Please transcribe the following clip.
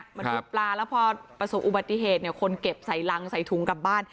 บรรทุกปลาแล้วพอประสบอุบัติเหตุเนี่ยคนเก็บใส่รังใส่ถุงกลับบ้าน